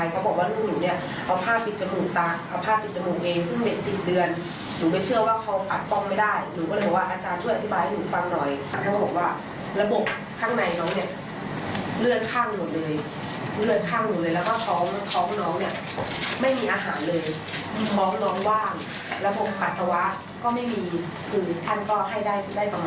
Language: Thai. ก็ไม่มีคือท่านก็ให้ได้คือได้ประมาณนี้